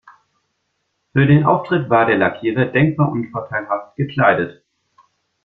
Für den Auftritt war der Lackierer denkbar unvorteilhaft gekleidet.